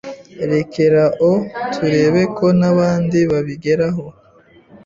Rekerao turebeko nabandi babigeraho